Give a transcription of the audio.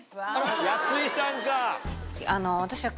安井さんか。